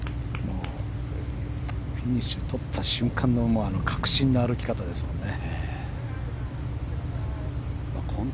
フィニッシュを取った瞬間のあの確信の歩き方ですもんね。